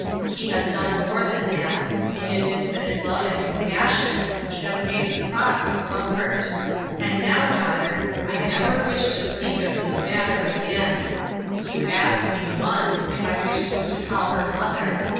He has done more than that. In his infinite love and compassion he has made the cross a comfort. And now, daughter, I never wish to 232 Ruth Erskine'i Crosses. speak of this matter again. You asked me, once, if I wished you to call her mother.